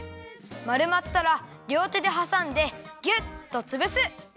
まるまったらりょうてではさんでギュッとつぶす！